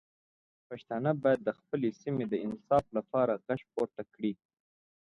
پښتانه باید د خپلې سیمې د انصاف لپاره غږ پورته کړي.